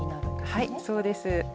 はいそうです。